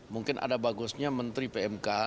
mungkin ada bagusnya menteri pmk